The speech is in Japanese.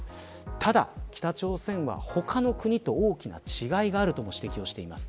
ただ北朝鮮は他の国と大きな違いがあるとも指摘をしています。